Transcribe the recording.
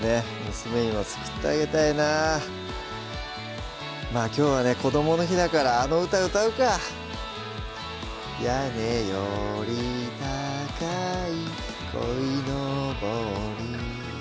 娘にも作ってあげたいなきょうはねこどもの日だからあの歌歌うか「やねよりたかいこいのぼり」